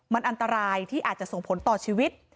มันอันตรายที่อาจจะส่งผลต่อชีวิต